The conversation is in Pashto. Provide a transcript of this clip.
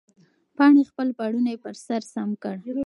پاڼې خپل پړونی پر سر سم کړ.